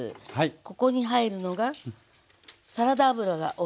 ここに入るのがサラダ油が大さじ１杯。